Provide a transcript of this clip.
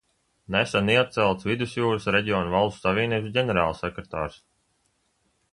Nesen iecelts Vidusjūras reģiona valstu savienības ģenerālsekretārs.